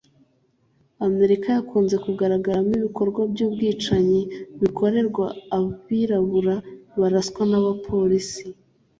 Amerika yakunze kugaragaramo ibikorwa by’ubwicanyi bikorerwa abirabura baraswa na Polisi